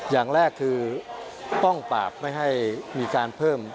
อย่างแรกคือป้องปราบไม่ให้มีการเพิ่ม